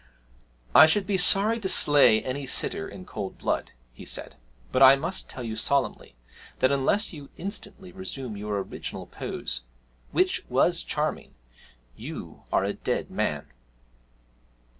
'I should be sorry to slay any sitter in cold blood,' he said, 'but I must tell you solemnly, that unless you instantly resume your original pose which was charming you are a dead man!'